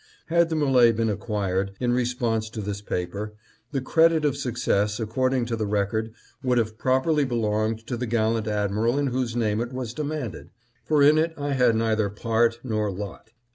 Had the M61e been acquired, in response to this paper, the credit of success, according to the record, would have properly belonged to the gallant admiral in whose name it was demanded ; for in it I had neither part nor lot.